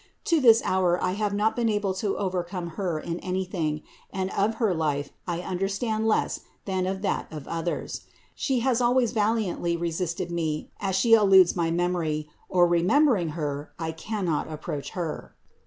To this hour I have not been able to overcome Her in anything, and of Her life I understand less than of that of others. She has always valiantly resisted me, as She eludes my memory; or remembering Her, I cannot approach Her.